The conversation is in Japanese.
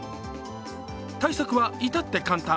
対策は至って簡単。